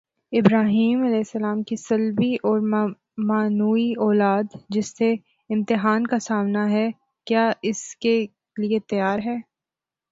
ابراہیمؑ کی صلبی اور معنوی اولاد، جسے امتحان کا سامنا ہے، کیا اس کے لیے تیار ہے؟